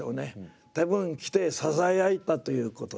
多分来てささやいたということです。